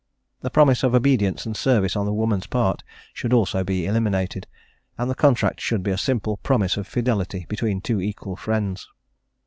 The promise of obedience and service on the woman's part should also be eliminated, and the contract should be a simple promise of fidelity between two equal friends.